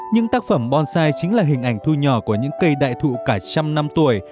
những tác phẩm bonsai chính là hình ảnh thu nhỏ của những cây đại thụ cả trăm năm tuổi